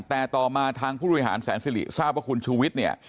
แต่ต่อมาทางผู้อุยหารแสนสุริทราบว่าคุณชูวิทธิ์